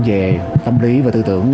về tâm lý và tư tưởng